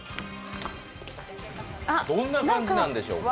どんな感じなんでしょうか。